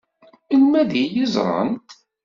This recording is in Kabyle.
Melmi ad iyi-ẓṛent?